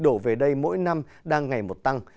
đổ về đây mỗi năm đang ngày một tăng